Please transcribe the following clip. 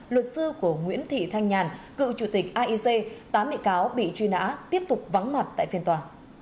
luật sư của nguyễn thị thanh nhàn cựu chủ tịch aic tám bị cáo bị truy nã tiếp tục vắng mặt tại phiên tòa